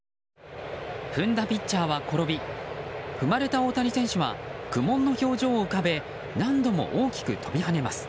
踏んだピッチャーは転び踏まれた大谷選手は苦悶の表情を浮かべ何度も大きく飛び跳ねます。